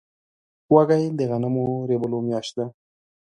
وږی د غنمو د رېبلو میاشت ده.